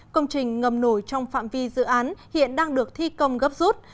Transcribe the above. công trình ngầm nổi trong phạm vi dự án hiện đang được thi công gấp rút